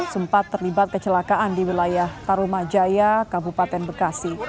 sempat terlibat kecelakaan di wilayah tarumajaya kabupaten bekasi